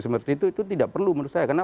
seperti itu itu tidak perlu menurut saya karena